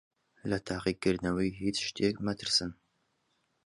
لە تاقیکردنەوەی هیچ شتێک مەترسن.